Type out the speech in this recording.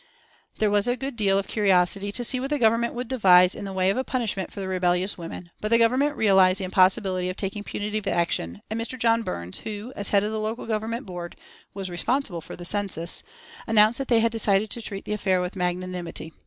There was a good deal of curiosity to see what the Government would devise in the way of a punishment for the rebellious women, but the Government realised the impossibility of taking punitive action, and Mr. John Burns, who, as head of the Local Government Board, was responsible for the census, announced that they had decided to treat the affair with magnanimity.